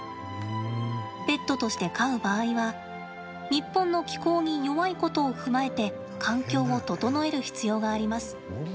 ペットとして飼う場合は日本の気候に弱いことを踏まえて環境を整える必要があります。